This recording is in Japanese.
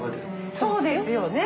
そうですよ。